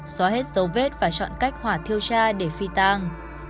xóa hết dấu vết và chọn cách hỏa thiêu cha để phi tang